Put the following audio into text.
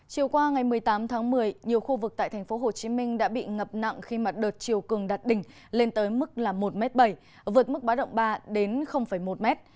chiều qua ngày một mươi tám tháng một mươi nhiều khu vực tại thành phố hồ chí minh đã bị ngập nặng khi mặt đợt chiều cường đặt đỉnh lên tới mức một m bảy vượt mức bá động ba đến một m